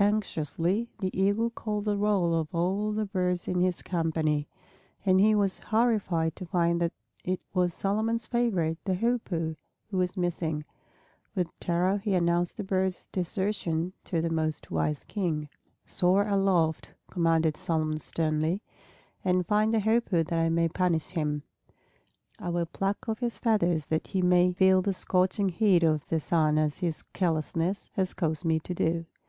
Anxiously the Eagle called the roll of all the birds in his company; and he was horrified to find that it was Solomon's favorite, the Hoopoe, who was missing. With terror he announced the bird's desertion to the most wise King. "Soar aloft," commanded Solomon sternly, "and find the Hoopoe that I may punish him. I will pluck off his feathers that he may feel the scorching heat of the sun as his carelessness has caused me to do."